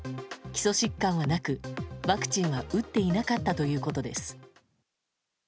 基礎疾患はなく、ワクチンは打っていなかったということです。